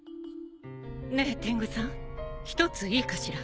ねえ天狗さん一ついいかしら？